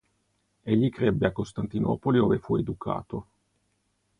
Egli crebbe a Costantinopoli ove fu educato.